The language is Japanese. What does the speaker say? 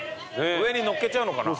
上に乗っけちゃうのかな。